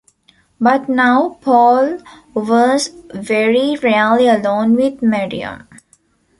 But now Paul was very rarely alone with Miriam.